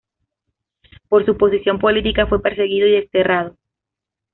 Por su posición política fue perseguido y desterrado.